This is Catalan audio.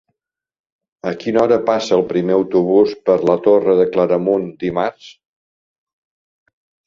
A quina hora passa el primer autobús per la Torre de Claramunt dimarts?